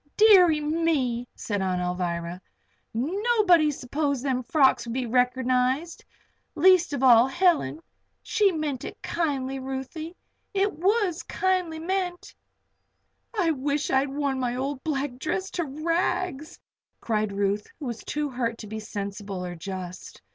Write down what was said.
"Deary me!" said Aunt Alvirah. "Nobody supposed them frocks would be reckernized least of all Helen. She meant it kindly, Ruthie. It was kindly meant." "I wish I'd worn my old black dress to rags!" cried Ruth, who was too hurt to be sensible or just.